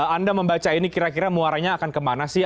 anda membaca ini kira kira muaranya akan kemana sih